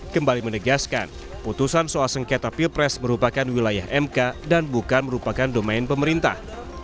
kembali menegaskan putusan soal sengketa pilpres merupakan wilayah mk dan bukan merupakan domain pemerintah